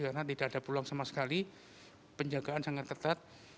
karena tidak ada pulang sama sekali penjagaan sangat ketat